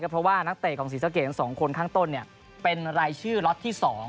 เพราะว่านักเตะของศรีสะเกด๒คนข้างต้นเป็นรายชื่อล็อตที่๒